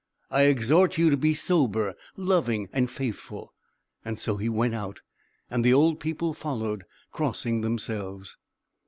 I exhort you to be sober, loving, and faithful." So he went out; and the old people followed; crossing themselves.